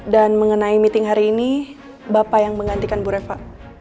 dan mengenai meeting hari ini bapak yang menggantikan bu reva